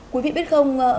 quý vị biết không